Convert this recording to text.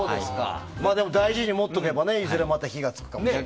でも、大事に持っておけばいずれまた火が付くかもしれない。